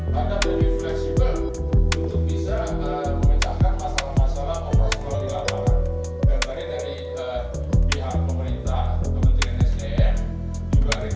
nah agar lebih fleksibel untuk bisa memecahkan masalah masalah operasi kualifikatoran